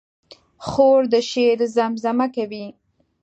خور د شعر زمزمه کوي.